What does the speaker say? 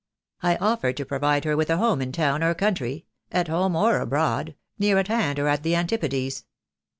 I offered to provide her with a home in town or country — at home or abroad — near at hand or at the Antipodes.